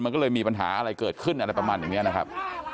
มันก็เลยมีปัญหาอะไรเกิดขึ้นอะไรประมาณอย่างนี้นะครับ